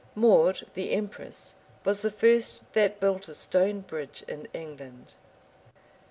Maud, the empress, was the first that built a stone bridge in England.